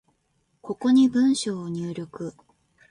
ここに文章を入力